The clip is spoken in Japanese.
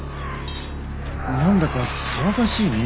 ・何だか騒がしいねえ。